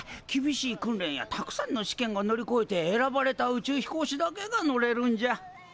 厳しい訓練やたくさんの試験を乗りこえて選ばれた宇宙飛行士だけが乗れるんじゃ。